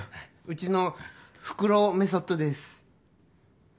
うちのふくろうメソッドです。